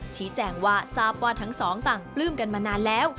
ชี้แจงว่าทราบว่าทั้งสองต่างปลื้มกันมานานแล้ว